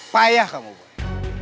payah kamu boi